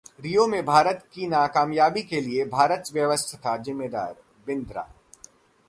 रियो में भारत की नाकामयाबी के लिए 'भारतीय व्यवस्था' जिम्मेदार: बिंद्रा